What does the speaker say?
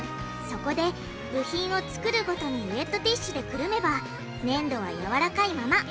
そこで部品を作るごとにウエットティッシュでくるめばねんどはやわらかいまま！